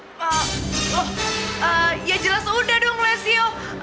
oh oh eh ya jelas udah dong lesio